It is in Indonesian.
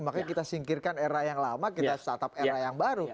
makanya kita singkirkan era yang lama kita satap era yang baru